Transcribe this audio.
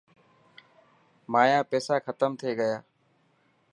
مايا پيسا ختم ٿي گيا.